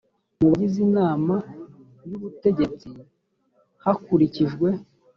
mu bagize inama y ubutegetsi hakurikijwe